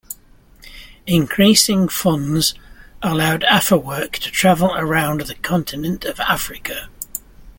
Increasing funds allowed Afewerk to travel around the continent of Africa.